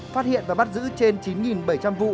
phát hiện và bắt giữ trên chín bảy trăm linh vụ